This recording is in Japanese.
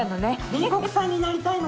煉獄さんになりたいのか。